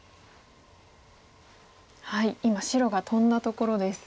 今白がトンだところです。